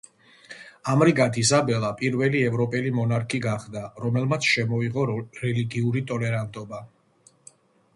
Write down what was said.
ამრიგად, იზაბელა პირველი ევროპელი მონარქი გახდა, რომელმაც შემოიღო რელიგიური ტოლერანტობა.